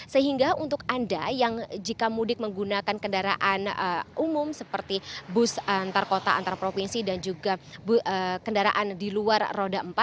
sehingga untuk anda yang jika mudik menggunakan kendaraan umum seperti bus antar kota antar provinsi dan juga kendaraan di luar roda empat